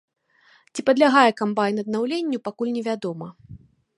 Ці падлягае камбайн аднаўленню, пакуль невядома.